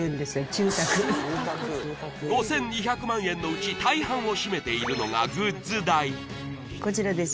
チュー拓５２００万円のうち大半を占めているのがこちらです